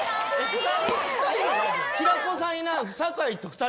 平子さんいない。